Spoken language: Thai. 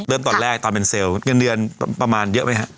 เริ่มตอนแรกตอนเป็นเซลล์เงินเดือนประมาณเยอะไหมฮะ